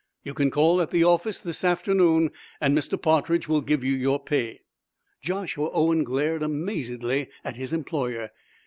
You can call at the office this afternoon, and Mr. Partridge will give you your pay." Joshua Owen glared, amazedly, at his employer.